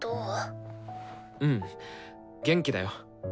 うん元気だよ。